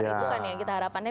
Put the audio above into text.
itu kan ya kita harapannya